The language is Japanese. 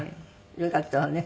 よかったわね。